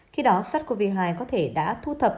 khi đó sars cov hai có thể đã thu thập